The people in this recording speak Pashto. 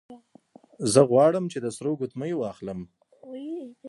زه غواړم چې د سرو ګوتمۍ واخلم